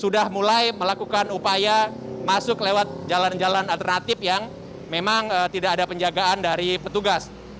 dengan upaya masuk lewat jalan jalan alternatif yang memang tidak ada penjagaan dari petugas